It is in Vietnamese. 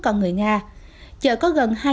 còn người nga chợ có gần hai trăm linh